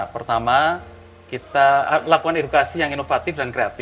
pertama kita lakukan edukasi yang inovatif dan kreatif